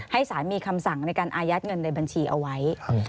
สารมีคำสั่งในการอายัดเงินในบัญชีเอาไว้